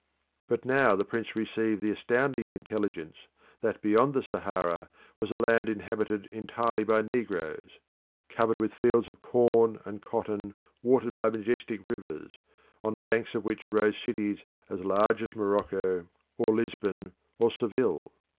But now the Prince received the astounding intelligence that beyond the Sahara was a land inhabited entirely by negroes; covered with fields of corn and cotton watered by majestic rivers, on the banks of which rose cities as large as Morocco, or Lisbon, or Seville.